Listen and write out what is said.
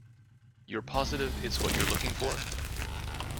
You're positive it's what you're looking for?